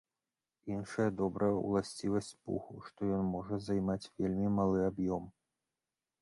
Іншая добрая ўласцівасць пуху, што ён можа займаць вельмі малы аб'ём.